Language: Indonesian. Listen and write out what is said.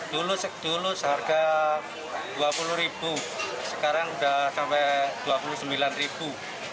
dulu seharga dua puluh ribu sekarang udah sampai dua puluh sembilan ribu